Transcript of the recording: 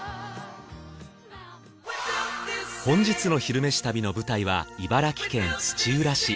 本日の「昼めし旅」の舞台は茨城県土浦市。